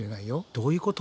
どういうこと？